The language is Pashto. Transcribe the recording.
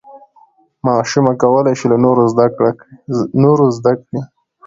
ماشومه کولی شي له نورو زده کړي.